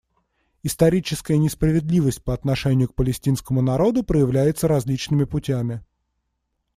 Историческая несправедливость по отношению к палестинскому народу проявляется различными путями.